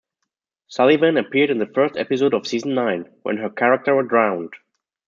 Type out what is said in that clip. Sullivan appeared in the first episode of season nine, when her character drowned.